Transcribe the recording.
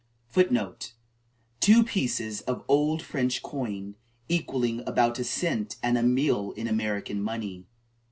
(1) (1) Two pieces of old French coin, equalling about a cent and a mill in American money.